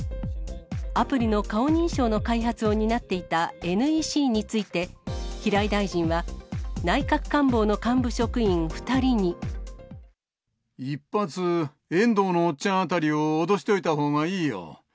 アプリの顔認証の開発を担っていたＮＥＣについて、平井大臣は、一発、遠藤のおっちゃんあたりを脅しといたほうがいいよ。